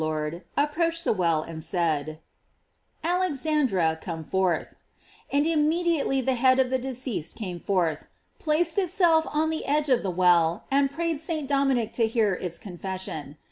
Lord, approached the well, and said: "Alexan dra, come forth," and immediately the head of the deceased came forth, placed itself on the edge of the well, and prayed St. Dominic to hear its confession.